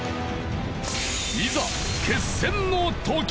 いざ決戦のとき。